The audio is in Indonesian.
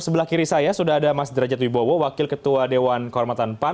sebelah kiri saya sudah ada mas derajat wibowo wakil ketua dewan kehormatan pan